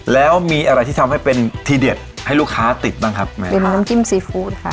แล้วมีอะไรที่ทำให้เป็นทีเด็ดให้ลูกค้าติดบ้างครับแม่เป็นน้ำจิ้มซีฟู้ดค่ะ